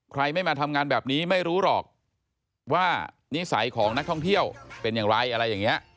ไม่มาทำงานแบบนี้ไม่รู้หรอกว่านิสัยของนักท่องเที่ยวเป็นอย่างไรอะไรอย่างนี้